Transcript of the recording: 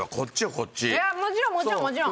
もちろんもちろんもちろん！